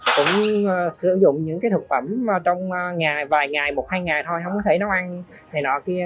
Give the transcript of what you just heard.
cũng sử dụng những cái thực phẩm mà trong vài ngày một hai ngày thôi không có thể nấu ăn này nọ kia